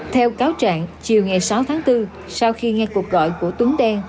theo cáo trạng chiều ngày sáu tháng bốn sau khi nghe cuộc gọi của tuấn đen